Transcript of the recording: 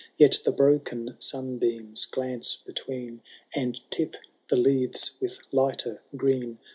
Yet the broken sunbeams glance between. And tip the leaves with lighter green.